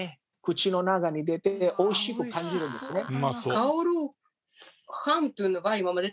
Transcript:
口の中に出て美味しく感じるんですね。